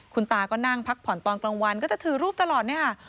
คุณตาก็นั่งพักผ่อนตอนกลางวันก็จะถือรูปตลอดเนี่ยค่ะ